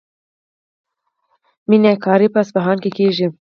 میناکاري په اصفهان کې کیږي.